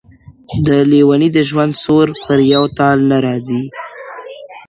د لېوني د ژوند سُر پر یو تال نه راځي;